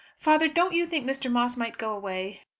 Father, don't you think Mr. Moss might go away?"